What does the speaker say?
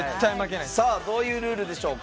どういうルールでしょうか。